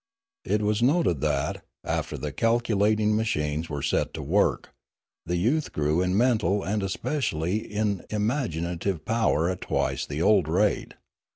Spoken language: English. It was noted that, after the calculating machines were set to work, the youth grew in mental and especially in im aginative power at twice the old rate.